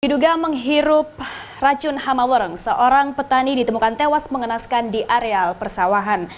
diduga menghirup racun hamawereng seorang petani ditemukan tewas mengenaskan di areal persawahan